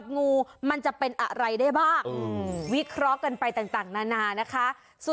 กูภัยมาช่วยวิเคราะห์หรอ